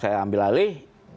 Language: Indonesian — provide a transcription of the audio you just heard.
saya ambil alih